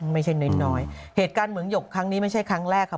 ไม่ใช่น้อยเหตุการณ์เหมืองหยกครั้งนี้ไม่ใช่ครั้งแรกค่ะ